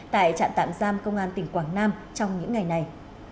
tại trạm tạm giam công an tỉnh quảng nam trong những ngày này